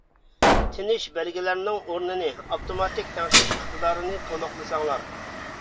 تىنىش بەلگىلەرنىڭ ئورنىنى ئاپتوماتىك تەڭشەش ئىقتىدارىنى تولۇقلىساڭلار.